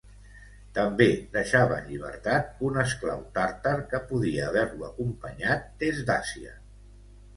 També deixava en llibertat un esclau tàrtar que podia haver-lo acompanyat des d'Àsia.